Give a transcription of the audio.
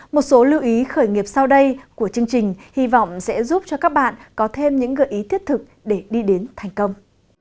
một số lưu ý khởi nghiệp sau đây của chương trình hy vọng sẽ giúp cho các bạn có thêm những gợi ý thiết thực để đi đến thành công